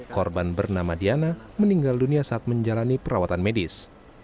korban bernama diana meninggal dunia saat menjalani perawatan medis